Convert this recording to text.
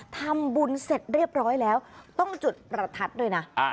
ทำบุญเสร็จเรียบร้อยแล้วต้องจุดประทัดด้วยนะ